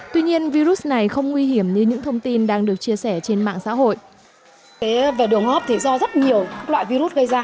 tuy nhiên virus này không nguy hiểm như những thông tin đang được chia sẻ trên mạng xã hội